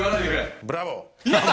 ブラボー！